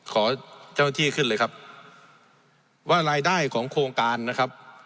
ขอเจ้าหน้าที่ขึ้นเลยครับว่ารายได้ของโครงการนะครับ